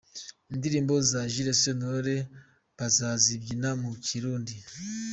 Indirimbo za Jules Sentore bazazibyina mu kirundi.